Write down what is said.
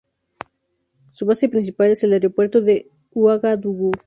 Su base principal es el Aeropuerto de Uagadugú.